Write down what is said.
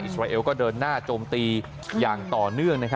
สราเอลก็เดินหน้าโจมตีอย่างต่อเนื่อง